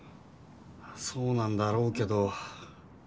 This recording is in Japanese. まあそうなんだろうけど。